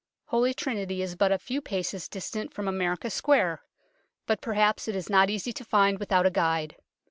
Holy Trinity is but a few paces distant from America Square, but perhaps is not easy to find without a guide.